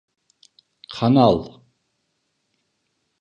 Kanal.